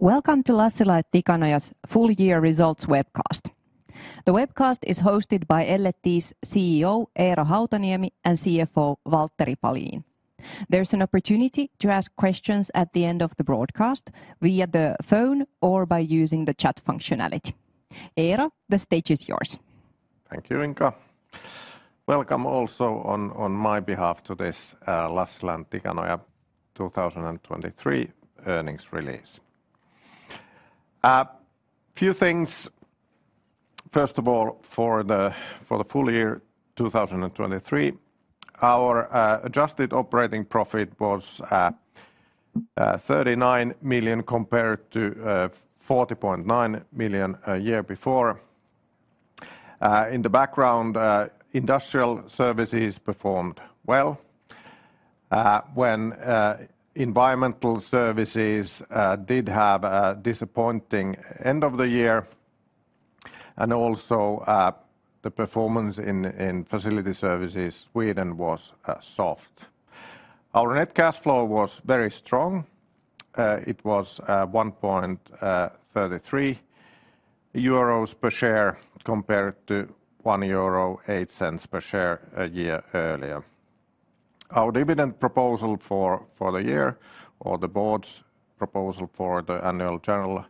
Welcome to Lassila & Tikanoja's Full Year Results webcast. The webcast is hosted by L&T's CEO Eero Hautaniemi and CFO Valtteri Palin. There's an opportunity to ask questions at the end of the broadcast via the phone or by using the chat functionality. Eero, the stage is yours. Thank you, Inka. Welcome also on my behalf to this Lassila & Tikanoja 2023 earnings release. A few things. First of all, for the full year 2023, our adjusted operating profit was 39 million compared to 40.9 million a year before. In the background, Industrial Services performed well, when Environmental Services did have a disappointing end of the year. And also, the performance in Facility Services in Sweden was soft. Our net cash flow was very strong. It was 1.33 euros per share compared to 1.08 euro per share a year earlier. Our dividend proposal for the year, or the board's proposal for the annual general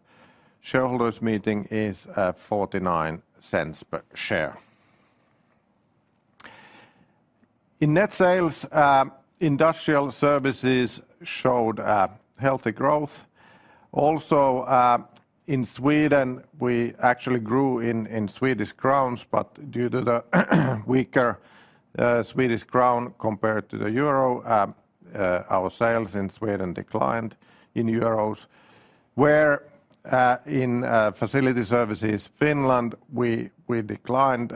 shareholders' meeting, is 0.49 per share. In net sales, Industrial Services showed healthy growth. Also, in Sweden, we actually grew in Swedish krona, but due to the weaker Swedish krona compared to the euro, our sales in Sweden declined in euros. Whereas in Facility Services in Finland, we declined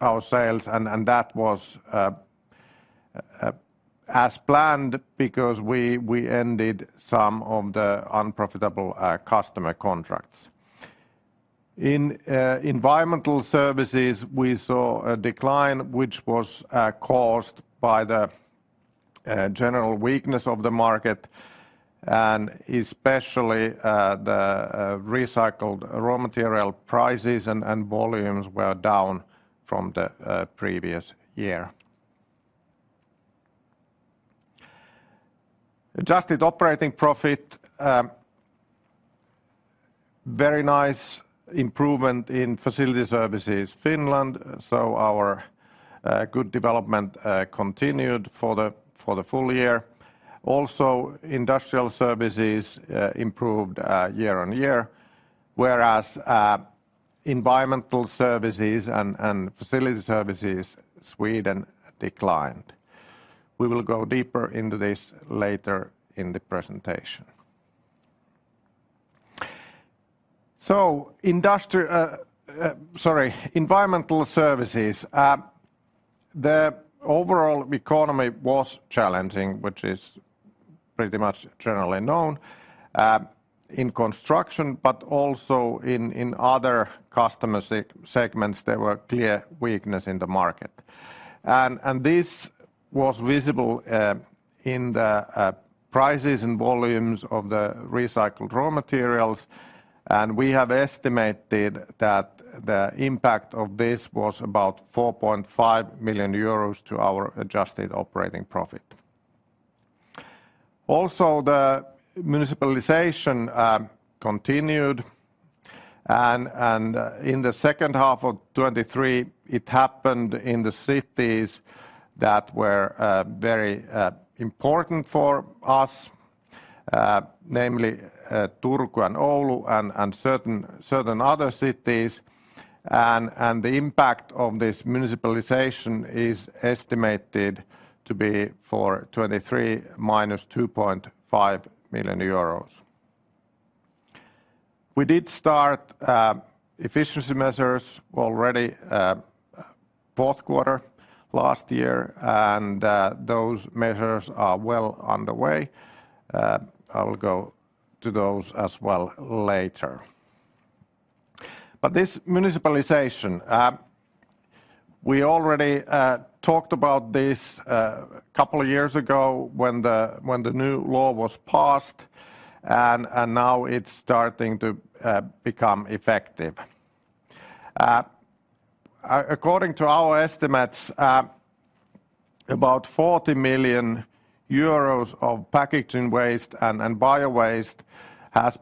our sales, and that was as planned because we ended some of the unprofitable customer contracts. In Environmental Services, we saw a decline, which was caused by the general weakness of the market, and especially the recycled raw material prices and volumes were down from the previous year. Adjusted operating profit. Very nice improvement in Facility Services in Finland, so our good development continued for the full year. Also, Industrial Services improved year-on-year, whereas Environmental Services and Facility Services in Sweden declined. We will go deeper into this later in the presentation. So, Environmental Services. The overall economy was challenging, which is pretty much generally known in construction, but also in other customer segments, there was clear weakness in the market. And this was visible in the prices and volumes of the recycled raw materials. We have estimated that the impact of this was about 4.5 million euros to our adjusted operating profit. Also, the municipalization continued. In the second half of 2023, it happened in the cities that were very important for us, namely Turku and Oulu and certain other cities. The impact of this municipalization is estimated to be for 2023 -2.5 million euros. We did start efficiency measures already in the fourth quarter last year, and those measures are well underway. I will go to those as well later. But this municipalization, we already talked about this a couple of years ago when the new law was passed, and now it's starting to become effective. According to our estimates, about 40 million euros of packaging waste and bio-waste has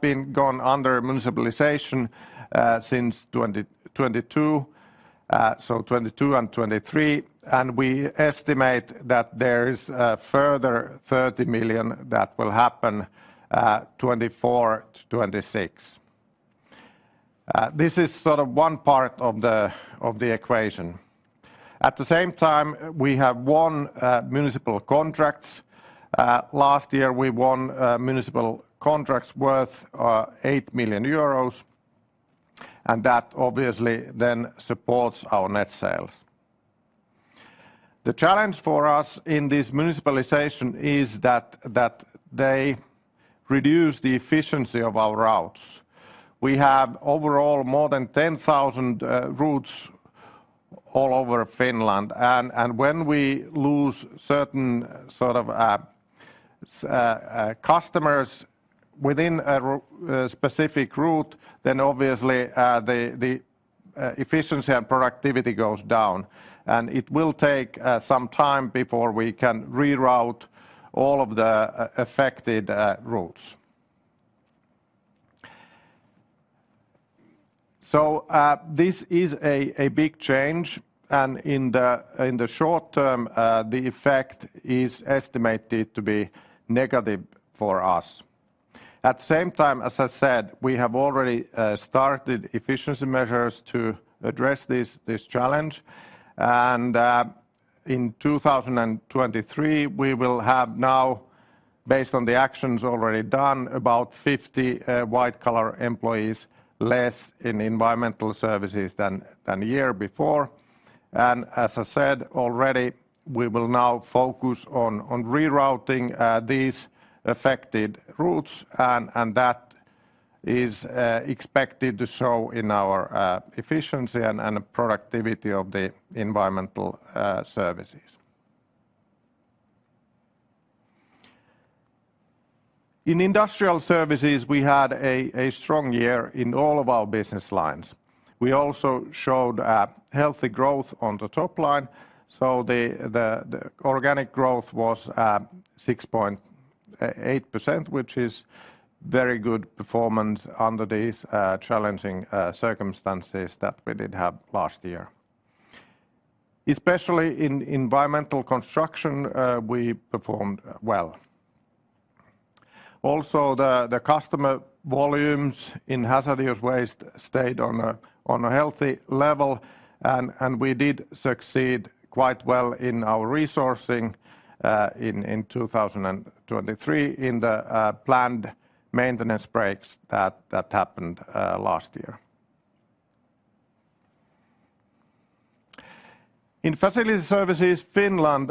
been gone under municipalization since 2022, so 2022 and 2023. We estimate that there is further 30 million that will happen in 2024 to 2026. This is sort of one part of the equation. At the same time, we have won municipal contracts. Last year, we won municipal contracts worth 8 million euros, and that obviously then supports our net sales. The challenge for us in this municipalization is that they reduce the efficiency of our routes. We have overall more than 10,000 routes all over Finland. When we lose certain sort of customers within a specific route, then obviously the efficiency and productivity goes down. It will take some time before we can reroute all of the affected routes. So this is a big change, and in the short term, the effect is estimated to be negative for us. At the same time, as I said, we have already started efficiency measures to address this challenge. In 2023, we will have now, based on the actions already done, about 50 white-collar employees less in Environmental Services than the year before. As I said already, we will now focus on rerouting these affected routes, and that is expected to show in our efficiency and productivity of the Environmental Services. In Industrial Services, we had a strong year in all of our business lines. We also showed healthy growth on the top line. The organic growth was 6.8%, which is very good performance under these challenging circumstances that we did have last year. Especially in environmental construction, we performed well. Also, the customer volumes in hazardous waste stayed on a healthy level, and we did succeed quite well in our resourcing in 2023 in the planned maintenance breaks that happened last year. In Facility Services in Finland,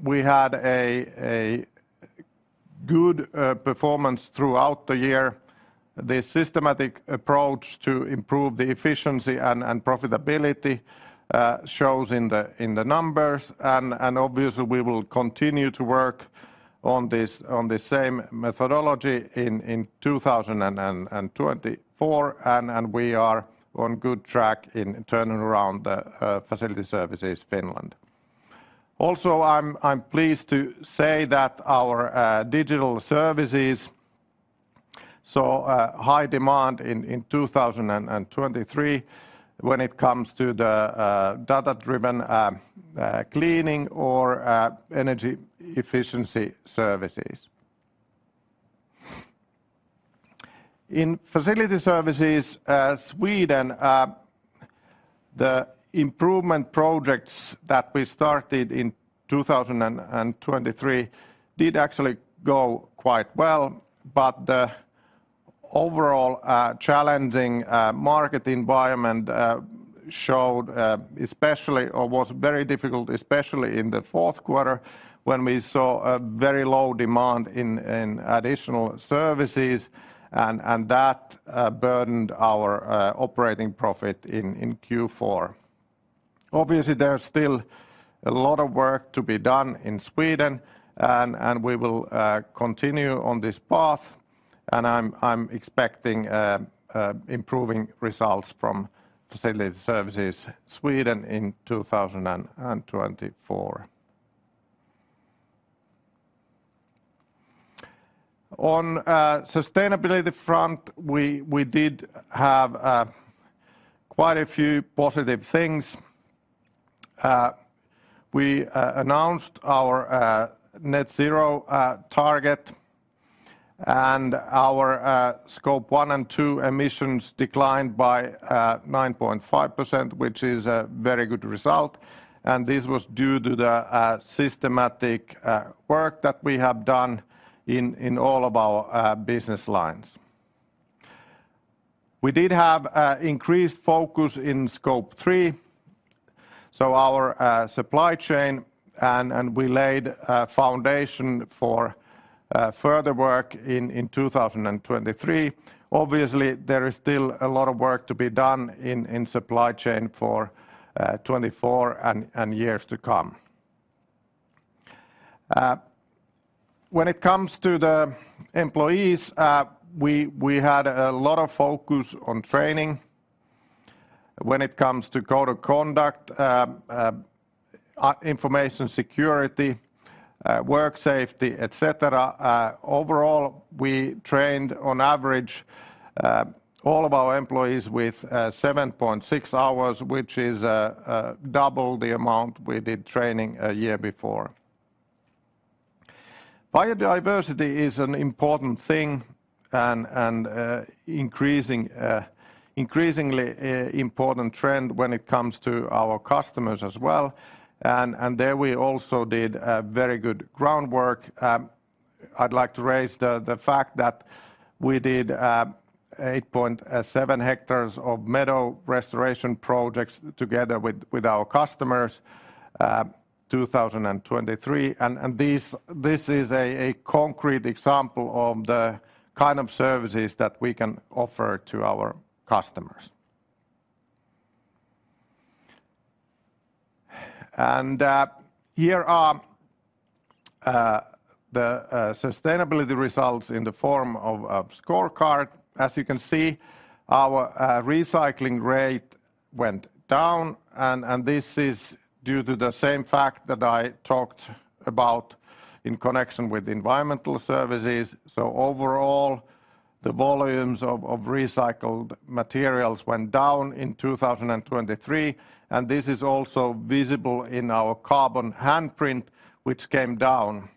we had a good performance throughout the year. This systematic approach to improve the efficiency and profitability shows in the numbers. And obviously, we will continue to work on this same methodology in 2024, and we are on good track in turning around the Facility Services in Finland. Also, I'm pleased to say that our digital services saw high demand in 2023 when it comes to the data-driven cleaning or energy efficiency services. In Facility Services in Sweden, the improvement projects that we started in 2023 did actually go quite well. But the overall challenging market environment showed especially or was very difficult, especially in the fourth quarter, when we saw very low demand in additional services, and that burdened our operating profit in Q4. Obviously, there's still a lot of work to be done in Sweden, and we will continue on this path. I'm expecting improving results from Facility Services in Sweden in 2024. On the sustainability front, we did have quite a few positive things. We announced our Net zero target, and our Scope 1 and 2 emissions declined by 9.5%, which is a very good result. This was due to the systematic work that we have done in all of our business lines. We did have an increased focus in Scope 3, so our supply chain, and we laid a foundation for further work in 2023. Obviously, there is still a lot of work to be done in supply chain for 2024 and years to come. When it comes to the employees, we had a lot of focus on training. When it comes to code of conduct, information security, work safety, etc., overall, we trained, on average, all of our employees with 7.6 hours, which is double the amount we did training a year before. Biodiversity is an important thing and an increasingly important trend when it comes to our customers as well. And there we also did very good groundwork. I'd like to raise the fact that we did 8.7 hectares of meadow restoration projects together with our customers in 2023. And this is a concrete example of the kind of services that we can offer to our customers. And here are the sustainability results in the form of a scorecard. As you can see, our recycling rate went down, and this is due to the same fact that I talked about in connection with Environmental Services. So overall, the volumes of recycled materials went down in 2023, and this is also visible in our carbon handprint, which came down.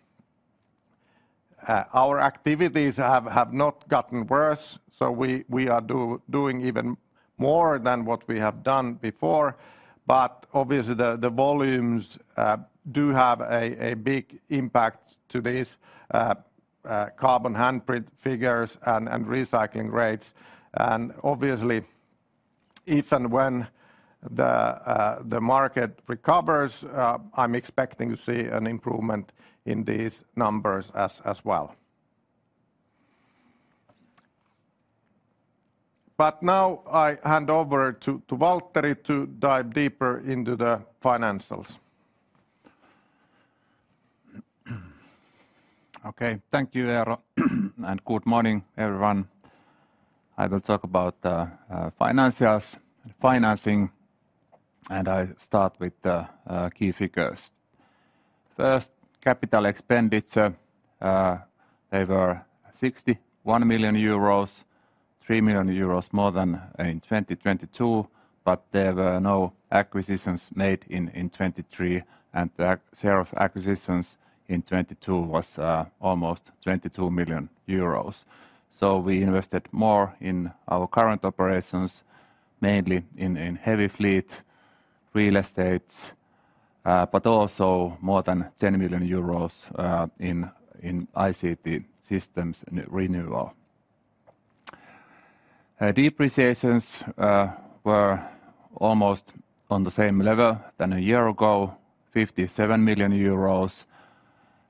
Our activities have not gotten worse, so we are doing even more than what we have done before. But obviously, the volumes do have a big impact on these carbon handprint figures and recycling rates. And obviously, if and when the market recovers, I'm expecting to see an improvement in these numbers as well. But now I hand over to Valtteri to dive deeper into the financials. Okay, thank you, Eero, and good morning, everyone. I will talk about financials and financing, and I start with the key figures. First, capital expenditure. They were 61 million euros, 3 million euros more than in 2022, but there were no acquisitions made in 2023, and the share of acquisitions in 2022 was almost 22 million euros. So we invested more in our current operations, mainly in heavy fleet, real estates, but also more than 10 million euros in ICT systems renewal. Depreciations were almost on the same level than a year ago, 57 million euros.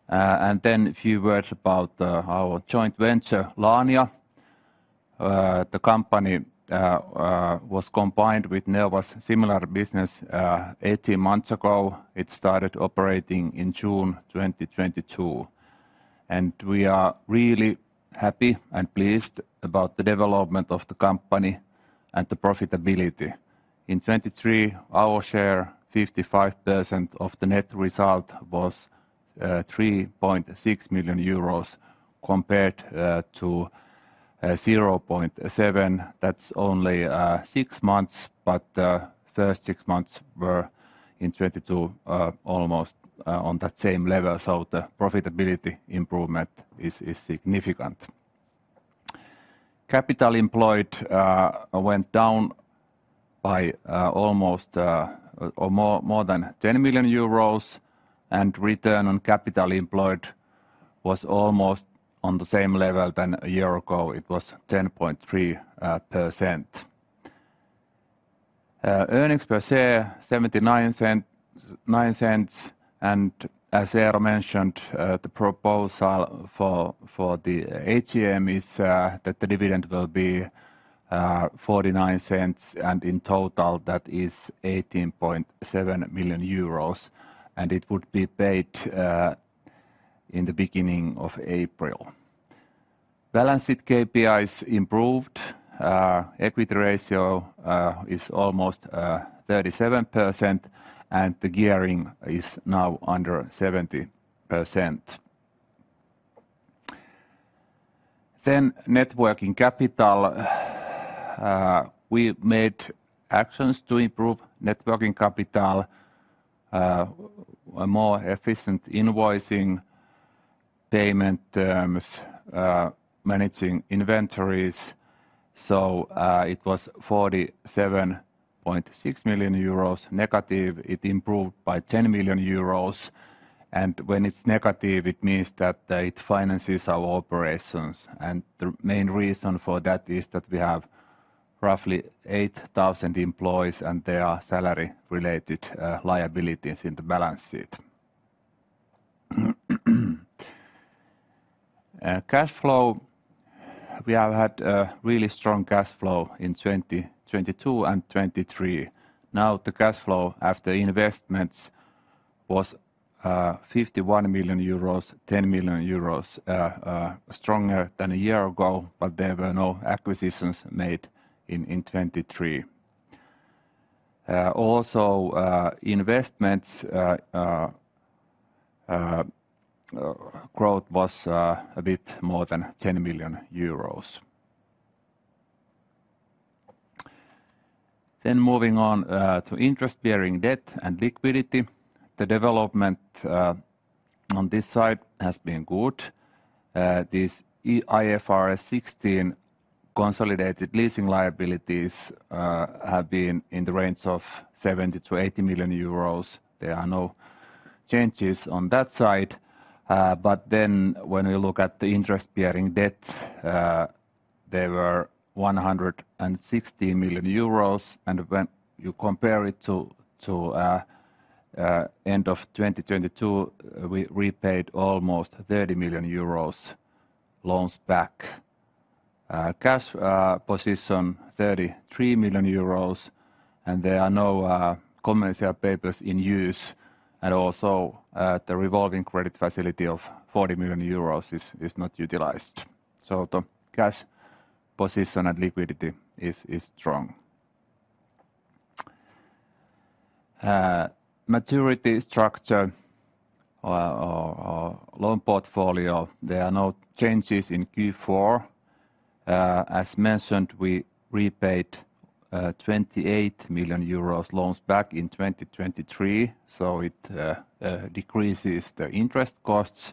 Then a few words about our joint venture, Laania. The company was combined with Neova's similar business 18 months ago. It started operating in June 2022. We are really happy and pleased about the development of the company and the profitability. In 2023, our share, 55% of the net result, was 3.6 million euros compared to 0.7. That's only six months, but the first six months were in 2022 almost on that same level, so the profitability improvement is significant. Capital employed went down by almost or more than 10 million euros, and return on capital employed was almost on the same level than a year ago. It was 10.3%. Earnings per share, 0.79. As Eero mentioned, the proposal for the AGM is that the dividend will be 0.49, and in total, that is 18.7 million euros. It would be paid in the beginning of April. Balance sheet KPIs improved. Equity ratio is almost 37%, and the gearing is now under 70%. Net working capital. We made actions to improve net working capital, more efficient invoicing, payment terms, managing inventories. So it was -47.6 million euros. It improved by 10 million euros. When it's negative, it means that it finances our operations. The main reason for that is that we have roughly 8,000 employees, and there are salary-related liabilities in the balance sheet. Cash flow. We have had a really strong cash flow in 2022 and 2023. Now, the cash flow after investments was 51 million euros, 10 million euros stronger than a year ago, but there were no acquisitions made in 2023. Also, investments growth was a bit more than 10 million euros. Then moving on to interest-bearing debt and liquidity. The development on this side has been good. These IFRS 16 consolidated leasing liabilities have been in the range of 70 million-80 million euros. There are no changes on that side. But then when you look at the interest-bearing debt, they were 116 million euros. And when you compare it to the end of 2022, we repaid almost 30 million euros loans back. Cash position, 33 million euros. And there are no commercial papers in use. And also, the revolving credit facility of 40 million euros is not utilized. So the cash position and liquidity is strong. Maturity structure, loan portfolio. There are no changes in Q4. As mentioned, we repaid 28 million euros loans back in 2023, so it decreases the interest costs.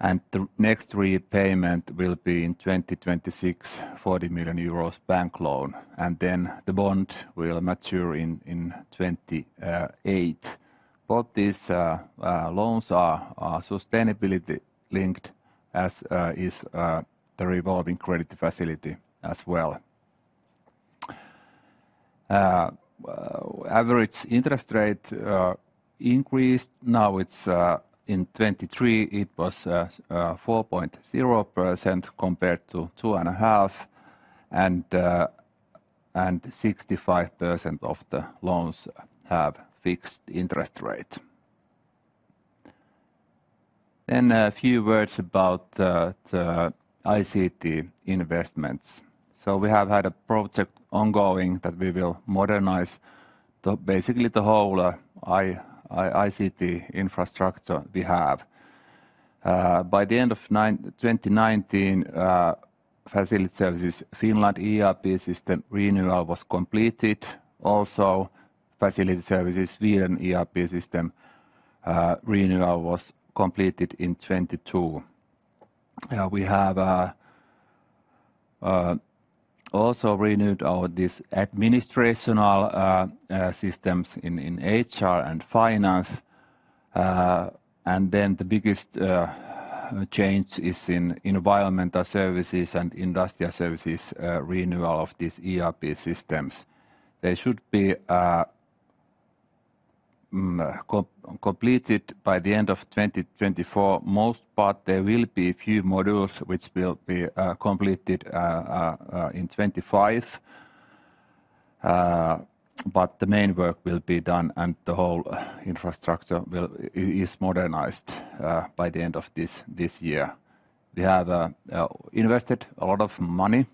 The next repayment will be in 2026, 40 million euros bank loan. Then the bond will mature in 2028. Both these loans are sustainability-linked, as is the revolving credit facility as well. Average interest rate increased. Now, in 2023, it was 4.0% compared to 2.5. And 65% of the loans have fixed interest rates. A few words about the ICT investments. So we have had a project ongoing that we will modernize basically the whole ICT infrastructure we have. By the end of 2019, Facility Services Finland ERP system renewal was completed. Also, Facility Services Sweden ERP system renewal was completed in 2022. We have also renewed our administrative systems in HR and finance. Then the biggest change is in Environmental Services and Industrial Services renewal of these ERP systems. They should be completed by the end of 2024. Most part, there will be a few modules, which will be completed in 2025. The main work will be done, and the whole infrastructure is modernized by the end of this year. We have invested a lot of money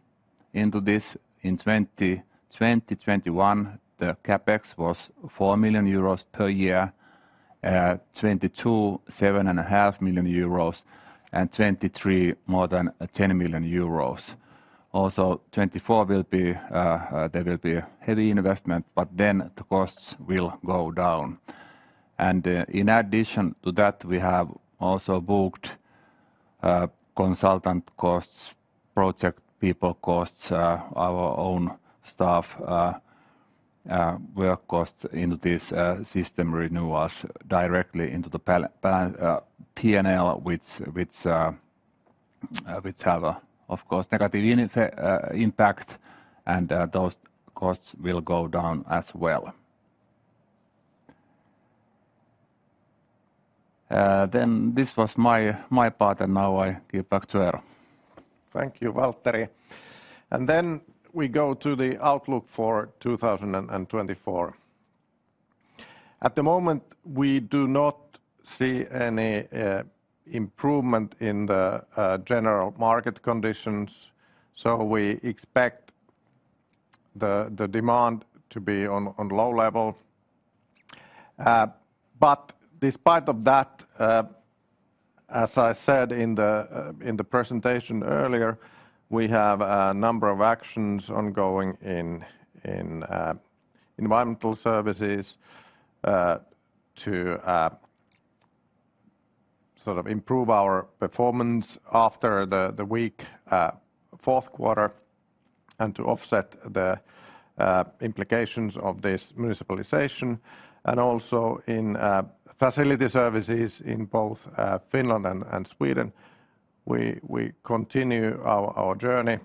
into this. In 2021, the CapEx was 4 million euros per year. In 2022, 7.5 million euros. And in 2023, more than 10 million euros. Also, in 2024, there will be heavy investment, but then the costs will go down. In addition to that, we have also booked consultant costs, project people costs, our own staff work costs into these system renewals directly into the P&L, which have, of course, negative impacts. Those costs will go down as well. Then this was my part, and now I give back to Eero. Thank you, Valtteri. And then we go to the outlook for 2024. At the moment, we do not see any improvement in the general market conditions. So we expect the demand to be on a low level. But despite that, as I said in the presentation earlier, we have a number of actions ongoing in Environmental Services to sort of improve our performance after the weak fourth quarter and to offset the implications of this municipalization. And also, in Facility Services in both Finland and Sweden, we continue our journey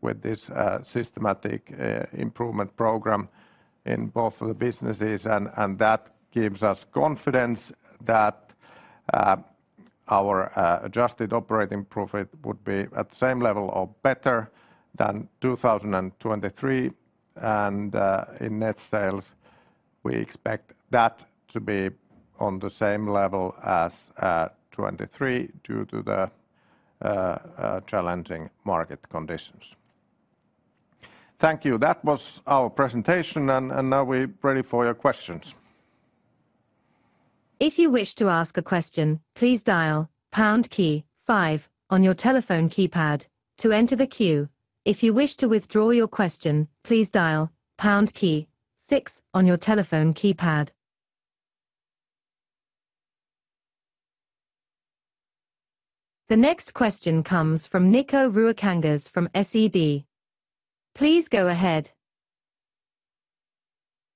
with this systematic improvement program in both of the businesses. And that gives us confidence that our adjusted operating profit would be at the same level or better than 2023. In net sales, we expect that to be on the same level as 2023 due to the challenging market conditions. Thank you. That was our presentation, and now we're ready for your questions. If you wish to ask a question, please dial pound key five on your telephone keypad to enter the queue. If you wish to withdraw your question, please dial pound key six on your telephone keypad. The next question comes from Nikko Roukangas from SEB. Please go ahead.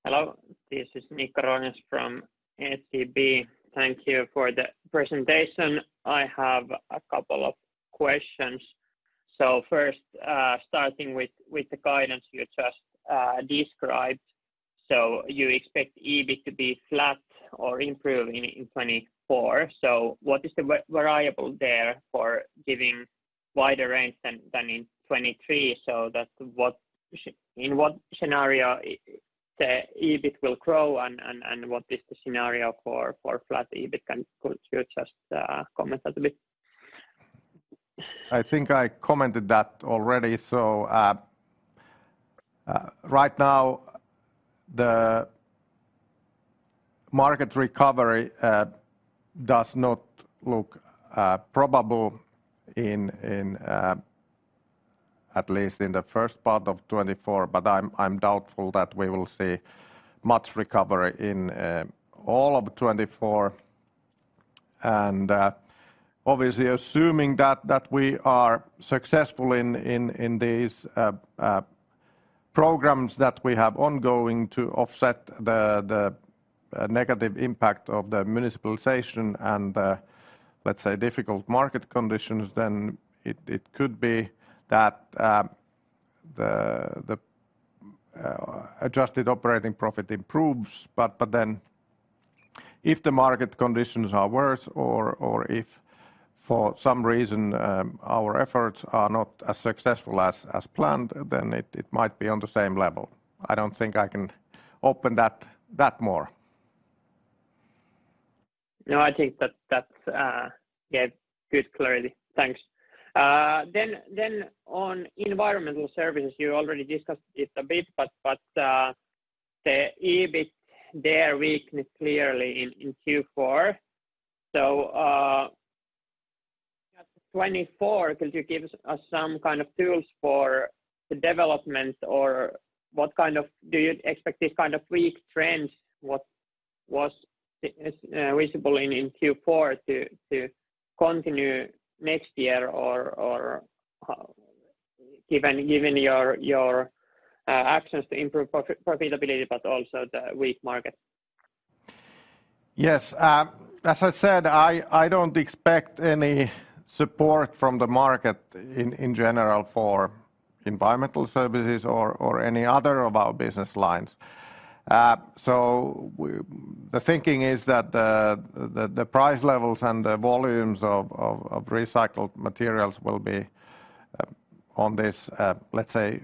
Hello. This is Nikko Ruokangas from SEB. Thank you for the presentation. I have a couple of questions. So first, starting with the guidance you just described. So you expect EBIT to be flat or improve in 2024. So what is the variable there for giving wider range than in 2023? So in what scenario the EBIT will grow, and what is the scenario for flat EBIT? Could you just comment a little bit? I think I commented that already. So right now, the market recovery does not look probable, at least in the first part of 2024. But I'm doubtful that we will see much recovery in all of 2024. And obviously, assuming that we are successful in these programs that we have ongoing to offset the negative impact of the municipalization and, let's say, difficult market conditions, then it could be that the adjusted operating profit improves. But then if the market conditions are worse or if, for some reason, our efforts are not as successful as planned, then it might be on the same level. I don't think I can open that more. No, I think that gave good clarity. Thanks. Then on Environmental Services, you already discussed it a bit, but the EBIT there weakened clearly in Q4. So in 2024, could you give us some kind of tools for the development, or what kind of do you expect this kind of weak trend, what was visible in Q4, to continue next year or given your actions to improve profitability, but also the weak market? Yes. As I said, I don't expect any support from the market in general for Environmental Services or any other of our business lines. So the thinking is that the price levels and the volumes of recycled materials will be on this, let's say,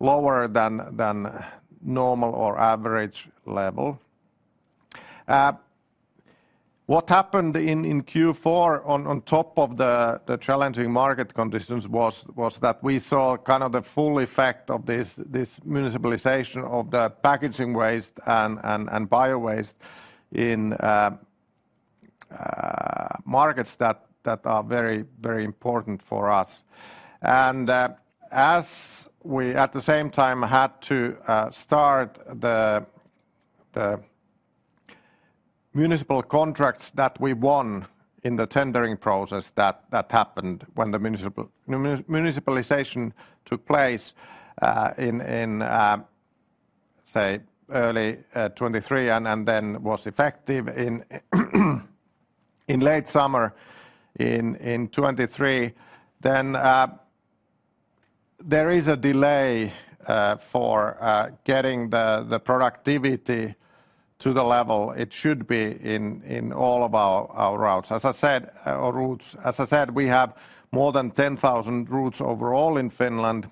lower than normal or average level. What happened in Q4, on top of the challenging market conditions, was that we saw kind of the full effect of this municipalization of the packaging waste and biowaste in markets that are very important for us. As we, at the same time, had to start the municipal contracts that we won in the tendering process that happened when the municipalization took place in, say, early 2023 and then was effective in late summer in 2023, then there is a delay for getting the productivity to the level it should be in all of our routes. As I said, we have more than 10,000 routes overall in Finland.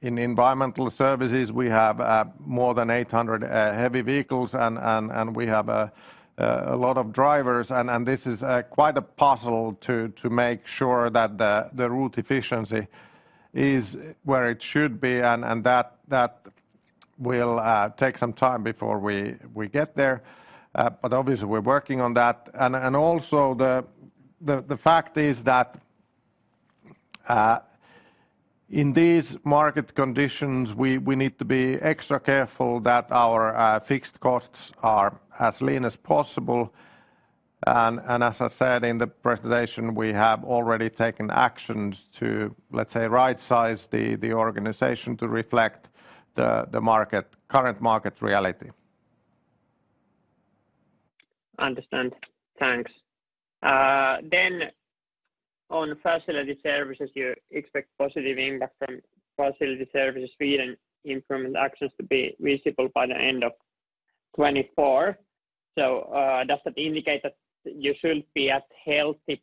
In Environmental Services, we have more than 800 heavy vehicles, and we have a lot of drivers. That is quite a puzzle to make sure that the route efficiency is where it should be. That will take some time before we get there. But obviously, we're working on that. And also, the fact is that in these market conditions, we need to be extra careful that our fixed costs are as lean as possible. And as I said in the presentation, we have already taken actions to, let's say, right-size the organization to reflect the current market reality. I understand. Thanks. Then on Facility Services, you expect positive impact from Facility Services Sweden improvement actions to be visible by the end of 2024. So does that indicate that you should be at healthy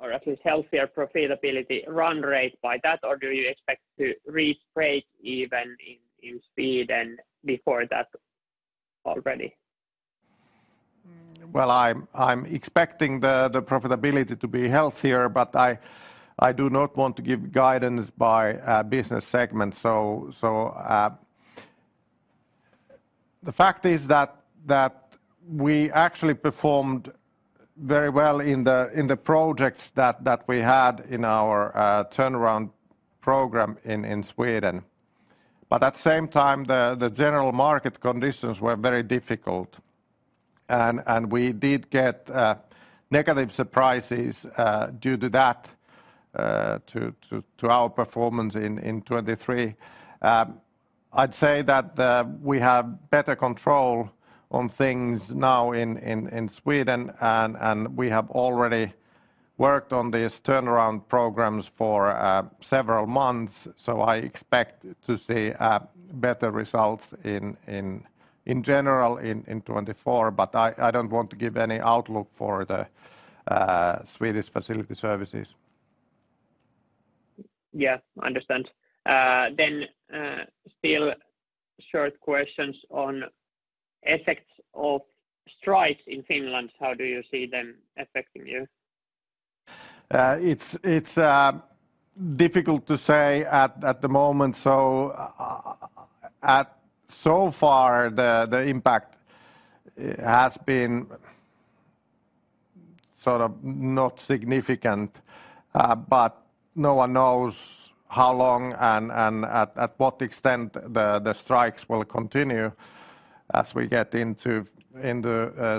or at least healthier profitability run rate by that, or do you expect to reach break even in Sweden before that already? Well, I'm expecting the profitability to be healthier, but I do not want to give guidance by business segments. So the fact is that we actually performed very well in the projects that we had in our turnaround program in Sweden. But at the same time, the general market conditions were very difficult. And we did get negative surprises due to that, to our performance in 2023. I'd say that we have better control on things now in Sweden, and we have already worked on these turnaround programs for several months. So I expect to see better results in general in 2024. But I don't want to give any outlook for the Swedish Facility Services. Yeah, I understand. Then still short questions on effects of strikes in Finland. How do you see them affecting you? It's difficult to say at the moment. So far, the impact has been sort of not significant. But no one knows how long and at what extent the strikes will continue as we get into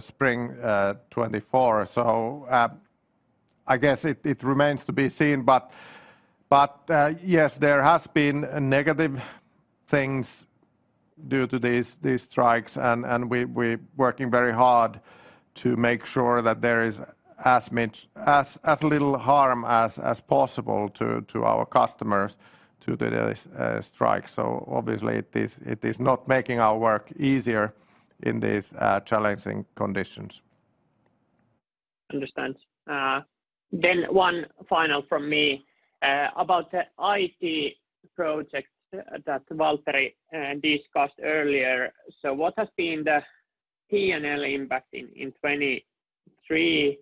spring 2024. So I guess it remains to be seen. But yes, there have been negative things due to these strikes. We're working very hard to make sure that there is as little harm as possible to our customers due to these strikes. Obviously, it is not making our work easier in these challenging conditions. I understand. One final from me about the IT project that Valtteri discussed earlier. What has been the P&L impact in 2023?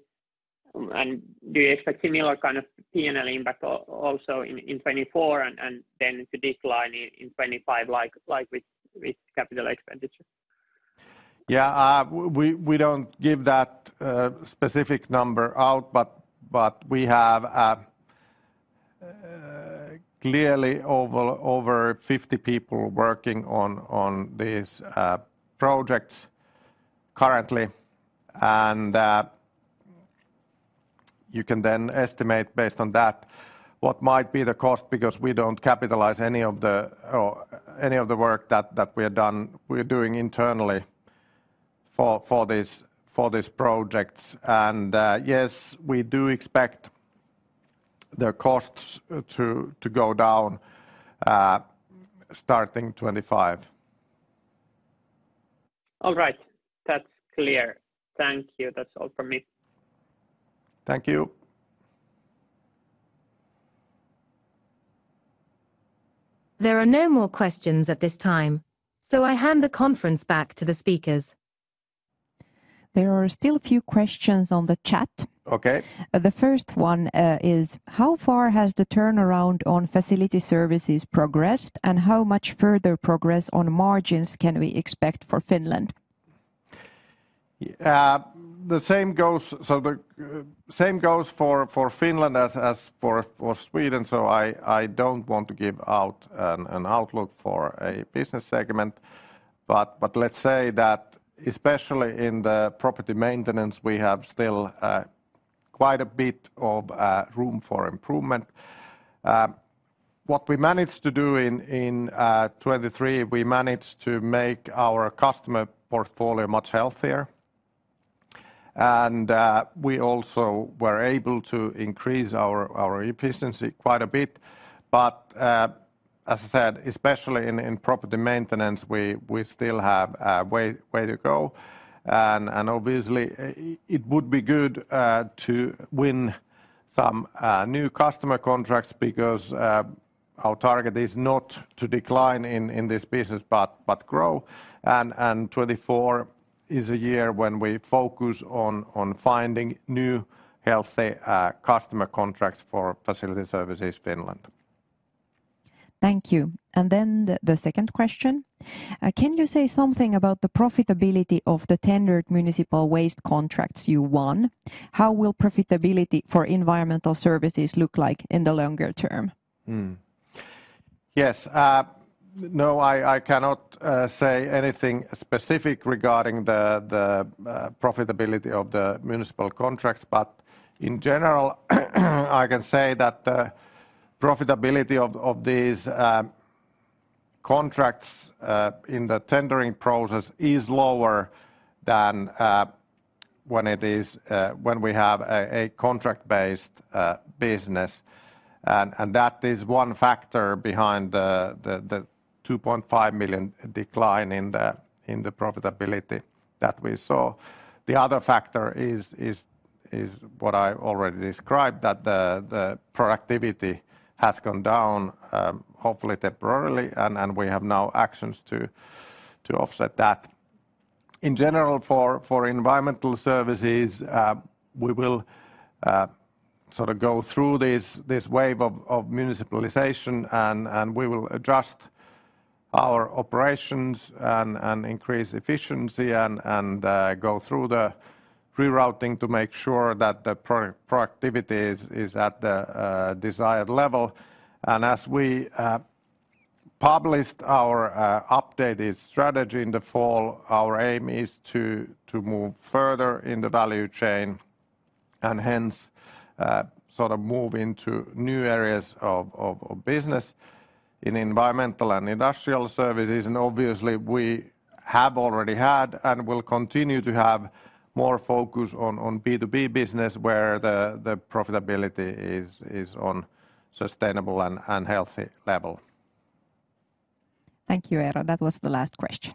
And do you expect similar kind of P&L impact also in 2024 and then to decline in 2025, like with capital expenditure? Yeah, we don't give that specific number out, but we have clearly over 50 people working on these projects currently. You can then estimate based on that what might be the cost because we don't capitalize any of the work that we are doing internally for these projects. Yes, we do expect the costs to go down starting 2025. All right. That's clear. Thank you. That's all from me. Thank you. There are no more questions at this time, so I hand the conference back to the speakers. There are still a few questions on the chat. The first one is: How far has the turnaround on Facility Services progressed, and how much further progress on margins can we expect for Finland? The same goes for Finland as for Sweden. I don't want to give out an outlook for a business segment. Let's say that, especially in the property maintenance, we have still quite a bit of room for improvement. What we managed to do in 2023, we managed to make our customer portfolio much healthier. We also were able to increase our efficiency quite a bit. As I said, especially in property maintenance, we still have a way to go. Obviously, it would be good to win some new customer contracts because our target is not to decline in this business but grow. 2024 is a year when we focus on finding new healthy customer contracts for Facility Services Finland. Thank you. Then the second question: Can you say something about the profitability of the tendered municipal waste contracts you won? How will profitability for Environmental Services look like in the longer term? Yes. No, I cannot say anything specific regarding the profitability of the municipal contracts. In general, I can say that the profitability of these contracts in the tendering process is lower than when we have a contract-based business. That is one factor behind the 2.5 million decline in the profitability that we saw. The other factor is what I already described, that the productivity has gone down, hopefully temporarily. We have now actions to offset that. In general, for Environmental Services, we will sort of go through this wave of municipalization. We will adjust our operations and increase efficiency and go through the rerouting to make sure that the productivity is at the desired level. As we published our updated strategy in the fall, our aim is to move further in the value chain and hence sort of move into new areas of business in environmental and Industrial Services. Obviously, we have already had and will continue to have more focus on B2B business, where the profitability is on a sustainable and healthy level. Thank you, Eero. That was the last question.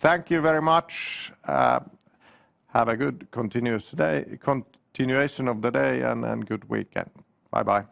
Thank you very much. Have a good continuation of the day and good weekend. Bye-bye.